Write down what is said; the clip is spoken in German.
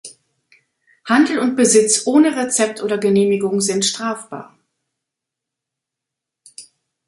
Handel und Besitz ohne Rezept oder Genehmigung sind strafbar.